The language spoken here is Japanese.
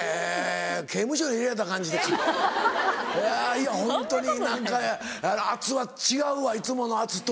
いやホントに何か圧は違うわいつもの圧と。